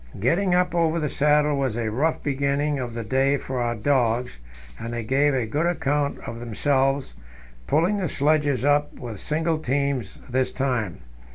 Getting up over the saddle was a rough beginning of the day for our dogs, and they gave a good account of themselves, pulling the sledges up with single teams this time.